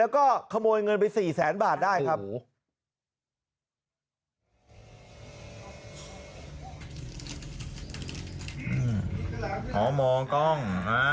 ขอมองกล้อง